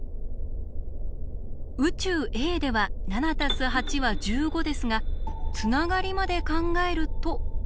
宇宙Ａでは７＋８は１５ですがつながりまで考えると。